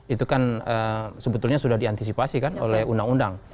itu kan sebetulnya sudah diantisipasi kan oleh undang undang